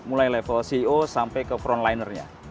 mulai level ceo sampai ke frontlinernya